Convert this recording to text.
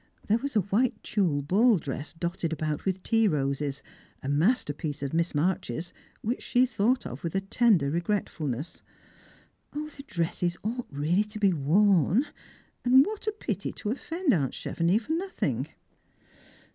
There was a white tulle ball dress dotted about with tea roses, a masterpiece of Miss March's which she thought of with a tender regretfulness. 0, the dresses ought really to be worn; and what a pity to offend aunt Chevenix for nothing